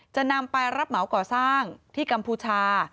จะนำไปรับเหมาก่อสร้างที่กัมพูชา